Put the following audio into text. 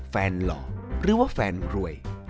หล่อหรือว่าแฟนรวย